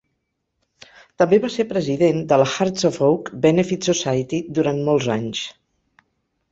També va ser president de la Hearts of Oak Benefit Society durant molts anys.